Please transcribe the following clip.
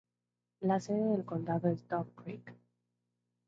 La sede del condado es Dove Creek.